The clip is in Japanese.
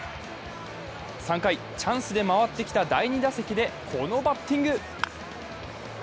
３回、チャンスで回ってきた第２打席でこのバッティング。